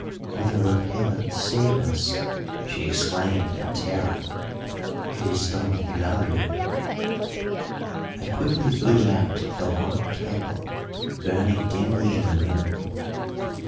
"Mother of Heaven, save us!" she exclaimed in terror. "It is Don Hilario." I quickly blew out the one candle burning dimly in the room.